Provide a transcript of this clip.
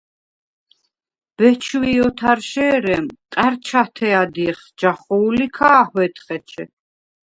ბეჩვი̄ ოთარშე̄რემ ყა̈რჩათე ადჲეხ ჯახუ̄ლ ი ქა̄ჰვედხ ეჩე.